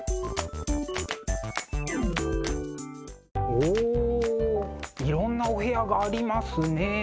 おいろんなお部屋がありますね。